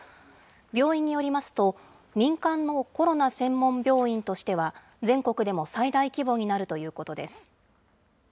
病院によりますと、民間のコロナ専門病院としては、全国でも最大規模になるということです。